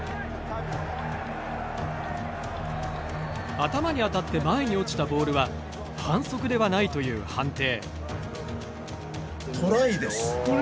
頭に当たって前に落ちたボールは反則ではないという判定。